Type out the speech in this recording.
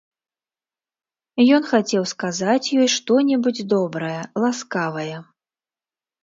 Ён хацеў сказаць ёй што-небудзь добрае, ласкавае.